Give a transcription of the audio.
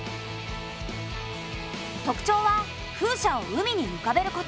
特徴は風車を海にうかべること。